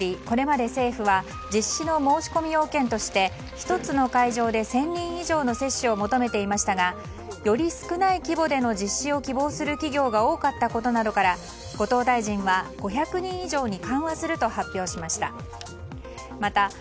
これまで政府は実施の申し込み要件として１つの会場で１０００人以上の接種を求めていましたがより少ない規模での実施を希望する企業が多かったことなどから後藤大臣は５００人以上に緩和すると発表しました。